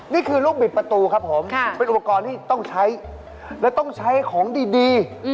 นี่คือลูกบิดประตูครับผมเป็นอุปกรณ์ที่ต้องใช้และต้องใช้ของดี